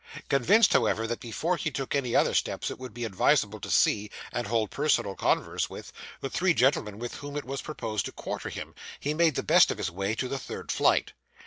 Convinced, however, that before he took any other steps it would be advisable to see, and hold personal converse with, the three gentlemen with whom it was proposed to quarter him, he made the best of his way to the third flight.